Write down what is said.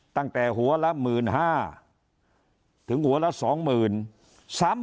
ตั้งแต่หัวละ๑๕๐๐ถึงหัวละ๒๐๐๐ซ้ำ